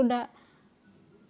tidak dihadapan begitu